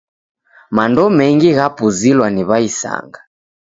Mando mengi ghapuzilwa ni w'aisanga.